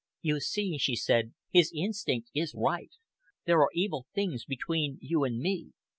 "You see," she said, "his instinct is right. There are evil things between you and me.